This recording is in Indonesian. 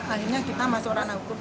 akhirnya kita masuk ranah hukum